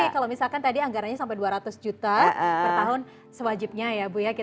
kalau misalkan tadi anggarannya sampai dua ratus juta per tahun sewajibnya ya bu ya